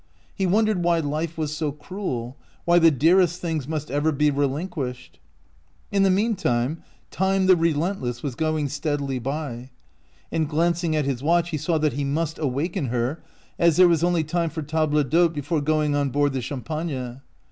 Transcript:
He wondered why life was so cruel — why the dearest things must ever be relinquished ! In the mean time, time the relentless was going steadily by ; and, glancing at his watch, he saw that he must awaken her, as there was only time for table d'hote before going on board the " Champagne."